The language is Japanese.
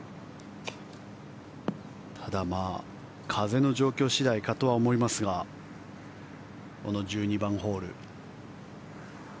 ただ、風の状況次第かとは思いますがこの１２番ホール。